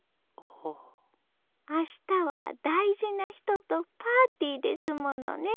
あしたは大事な人とパーティーですものね。